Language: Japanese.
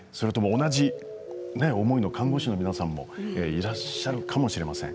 同じ思いの看護師の皆さんいらっしゃるかもしれません。